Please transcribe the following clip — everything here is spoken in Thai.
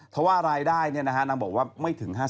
ถ้าว่ารายได้นางบอกว่าไม่ถึง๕๐ล้าน